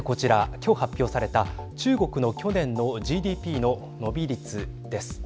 今日、発表された中国の去年のＧＤＰの伸び率です。